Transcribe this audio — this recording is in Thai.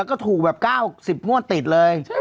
แล้วก็ถูกแบบ๙๐งวดติดเลย